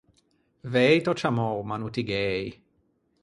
Vëi t’ò ciammou, ma no ti gh’ëi.